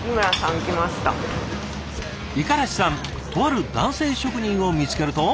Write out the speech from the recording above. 五十嵐さんとある男性職人を見つけると。